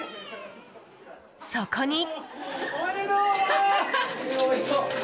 そこに。